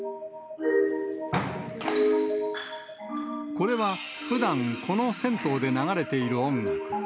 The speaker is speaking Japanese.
これはふだん、この銭湯で流れている音楽。